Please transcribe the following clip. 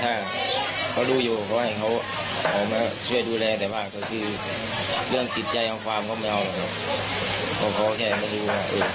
ถ้ามีผู้ค้างนี้เราก็จะได้ได้ของซนเพิ่มขึ้นเพื่อช่วยพระช่วยพ่อพัว